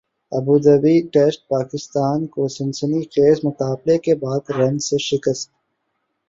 ابو Dhabi test Pakistan کو سنسنی خیزمقابلے کے بعد رنز سے شکست